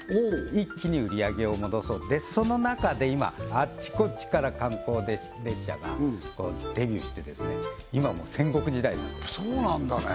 一気に売上げを戻そうその中で今あっちこっちから観光列車がデビューして今もう戦国時代になってるやっぱそうなんだね